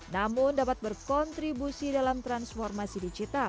namun dapat berkontribusi dalam transformasi digital